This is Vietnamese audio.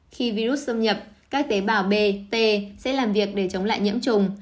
khi virus xâm nhập các tế bào b t sẽ làm việc để chống lại nhiễm chủng